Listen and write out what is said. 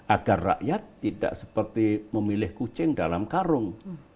agar rakyat tidak seperti memilih kucing dalam karung